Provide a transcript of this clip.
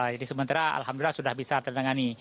jadi sementara alhamdulillah sudah bisa terdangani